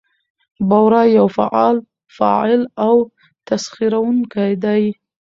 بورا يو فعال فاعل او تسخيروونکى دى؛